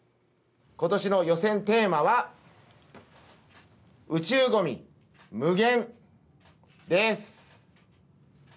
ことしの予選テーマは宇宙ゴミ、∞です。